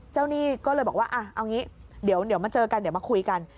หนี้ก็เลยบอกว่าเอางี้เดี๋ยวมาเจอกันเดี๋ยวมาคุยกัน